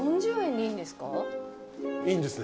いいんですね？